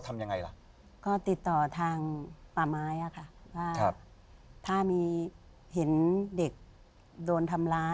ประมาณวันที่๒๐กว่า